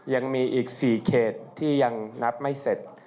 ยังมีอีก๔เขตที่ยังนับไม่เสร็จ